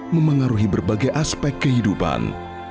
memengaruhi berbagai aspek kehidupan